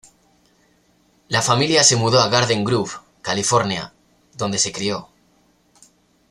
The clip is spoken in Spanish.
La familia se mudó a Garden Grove, California, donde se crio.